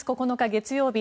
月曜日